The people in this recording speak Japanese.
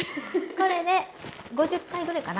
これで５０回ぐらいかな。